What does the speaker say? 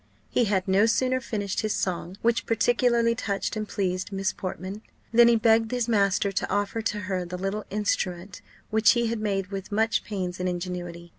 He had no sooner finished his song, which particularly touched and pleased Miss Portman, than he begged his master to offer to her the little instrument, which he had made with much pains and ingenuity.